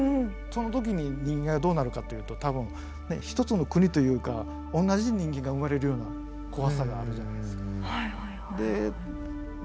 そのときに人間がどうなるかっていうと多分ね一つの国というか同じ人間が生まれるような怖さがあるじゃないですか。